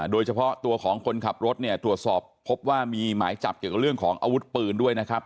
โดยเฉพาะตัวของคนขับรถเนี่ยตรวจสอบพบว่ามีหมายจับเกี่ยวกับเรื่องของอาวุธปืนด้วยนะครับ